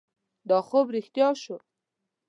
دا خوب رښتیا شو.